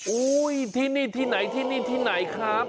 อุ้ยที่นี่ที่ไหนที่นี่ที่ไหนครับ